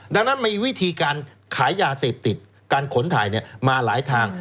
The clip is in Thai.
ดังนั้นมีวิธีการขายยาเสพติดการขนถ่ายมาหลายทาง